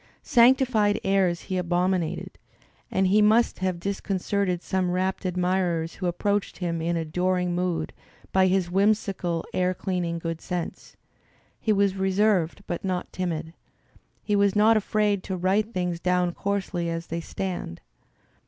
Sanctified airs he abominated, and he must have discon certed some rapt admirers who approached him in adoring mood, by his whimsical air dearing good sense. He was re ^ served but not timid. He was not afraid "to write things down coarsely as they stand."